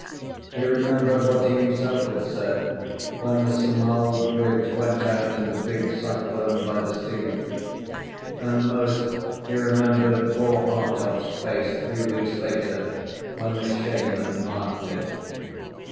He remembered what he himself had said when the Sumao Bridge went out in the big cyclone by the sea; and most he remembered poor Hartopp's face three weeks later, when the shame had marked it.